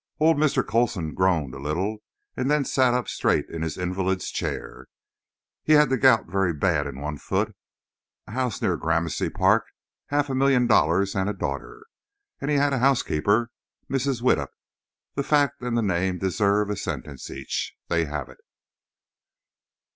Old Mr. Coulson groaned a little, and then sat up straight in his invalid's chair. He had the gout very bad in one foot, a house near Gramercy Park, half a million dollars and a daughter. And he had a housekeeper, Mrs. Widdup. The fact and the name deserve a sentence each. They have it.